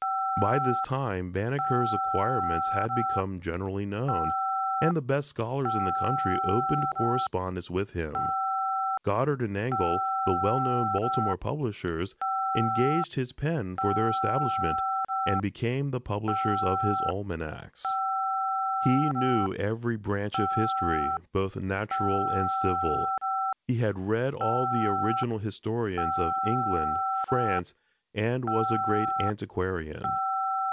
By this time Banneker's acquirements had become generally known, and the best scholars in the country opened correspondence with him. Goddard & Angell, the well known Baltimore publishers, engaged his pen for their establishment, and became the publishers of his almanacs. He knew every branch of history, both natural and civil; he had read all the original historians of England, France, and was a great antiquarian.